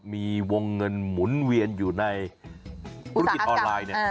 มีวงเงินหมุนเวียนอยู่ในธุรกิจออนไลน์เนี่ย